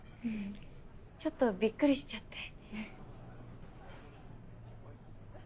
ちょっとびっくりしちゃって。